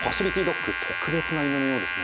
ドッグ特別な犬のようですね。